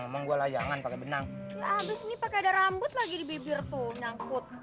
ngomong gua layangan pakai benang habis nih pakai rambut lagi di bibir pun angkut